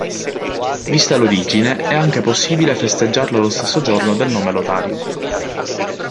Vista l'origine, è anche possibile festeggiarlo lo stesso giorno del nome Lotario.